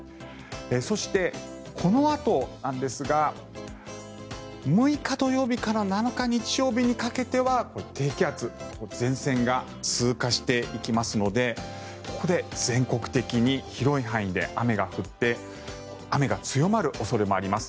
そして、このあとなんですが６日、土曜日から７日、日曜日にかけては低気圧、前線が通過していきますのでここで全国的に広い範囲で雨が降って雨が強まる恐れもあります。